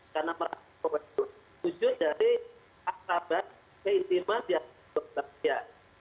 karena masyarakat itu wujud dari akrabat keintiman yang berbahaya